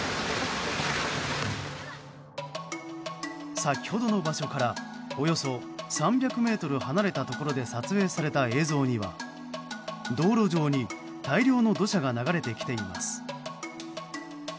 先ほどの場所からおよそ３００ｍ離れたところで撮影された映像には道路上に大量の土砂が流れてきています。